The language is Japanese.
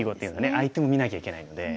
相手も見なきゃいけないので。